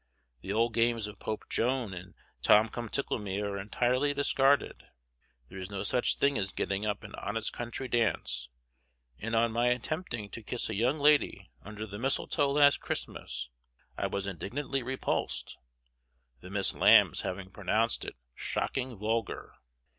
The old games of Pope Joan and Tom come tickle me are entirely discarded; there is no such thing as getting up an honest country dance; and on my attempting to kiss a young lady under the mistletoe last Christmas, I was indignantly repulsed, the Miss Lambs having pronounced it "shocking vulgar."